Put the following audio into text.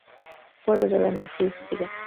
Fue rodada en los estudios Tepeyac.